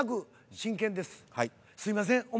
すいません。